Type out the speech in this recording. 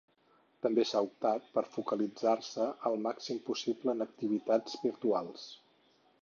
També s'ha optat per focalitzar-se el màxim possible en activitats virtuals.